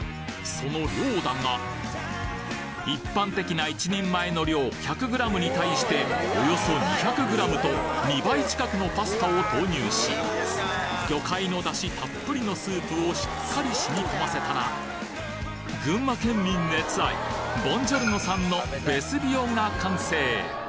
その量だが一般的な１人前の量１００ｇに対しておよそ２００ｇと２倍近くのパスタを投入し魚介の出汁たっぷりのスープをしっかり染み込ませたら群馬県民熱愛ボンジョルノさんのベスビオが完成！